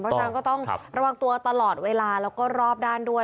เพราะฉะนั้นก็ต้องระวังตัวตลอดเวลาแล้วก็รอบด้านด้วย